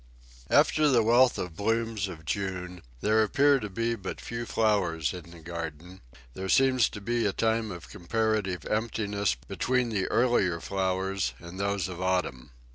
After the wealth of bloom of June, there appear to be but few flowers in the garden; there seems to be a time of comparative emptiness between the earlier flowers and those of autumn.